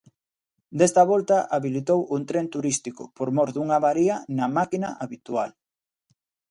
Desta volta, habilitou un tren turístico, por mor dunha avaría na máquina habitual.